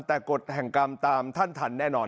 แต่กฎแห่งกรรมตามท่านทันแน่นอน